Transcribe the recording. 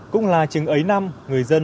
cũng là trường ảnh của người dân